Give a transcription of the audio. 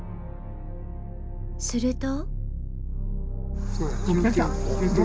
すると。